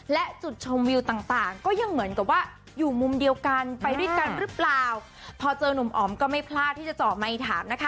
และจุดชมวิวต่างต่างก็ยังเหมือนกับว่าอยู่มุมเดียวกันไปด้วยกันหรือเปล่าพอเจอนุ่มอ๋อมก็ไม่พลาดที่จะเจาะไมค์ถามนะคะ